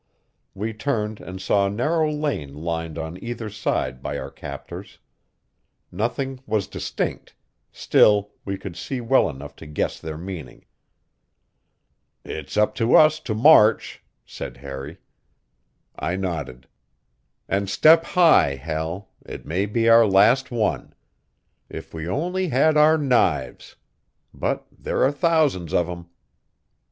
We turned and saw a narrow lane lined on either side by our captors. Nothing was distinct; still we could see well enough to guess their meaning. "It's up to us to march," said Harry. I nodded. "And step high, Hal; it may be our last one. If we only had our knives! But there are thousands of 'em."